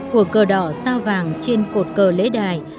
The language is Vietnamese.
của cờ đỏ sao vàng trên cột cờ lễ đài